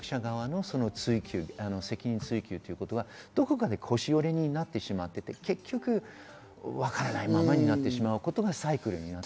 今までも権力者側の追及、責任追及がどこかで腰折れになってしまっていて、結局わからないままになってしまうことがサイクルにな